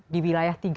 di wilayah tiga t